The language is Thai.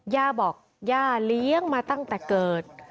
ย่าบอกย่าเลี้ยงมาตั้งแต่เกิด